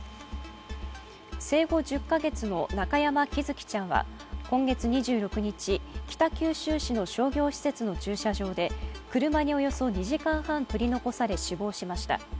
生後１０か月の中山喜寿生ちゃんは今月２６日、北九州市の商業施設の駐車場で車におよそ２時間半取り残され死亡しました。